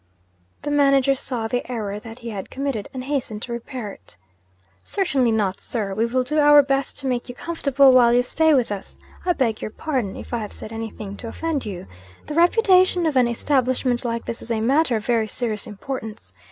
The manager saw the error that he had committed, and hastened to repair it. 'Certainly not, sir! We will do our best to make you comfortable while you stay with us. I beg your pardon, if I have said anything to offend you. The reputation of an establishment like this is a matter of very serious importance.